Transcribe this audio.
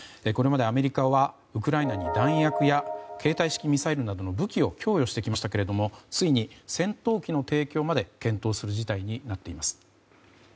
これまでアメリカはウクライナに弾薬や携帯式ミサイルなどの武器を供与してきましたがついに戦闘機の提供まで検討する事態になっています。